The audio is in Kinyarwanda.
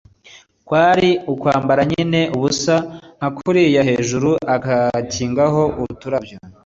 kwari ukwambara nyine ubusa nka kuriya hejuru agakingaho uturabyo